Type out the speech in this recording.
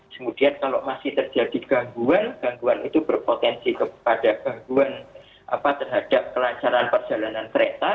kemudian kalau masih terjadi gangguan gangguan itu berpotensi kepada gangguan terhadap kelancaran perjalanan kereta